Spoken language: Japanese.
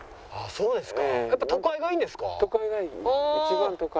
そうですか。